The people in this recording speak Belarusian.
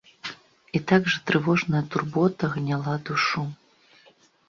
І так жа трывожная турбота гняла душу.